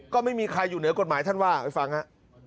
ก็ไม่มีใครอยู่เหนือกฎหมายท่านว่าไปฟังฮะ